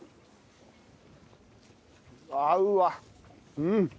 うん。